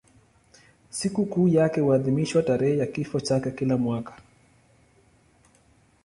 Sikukuu yake huadhimishwa tarehe ya kifo chake kila mwaka.